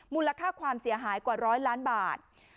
มูลค่าความเสียหายกว่า๑๐๐ล้านบาท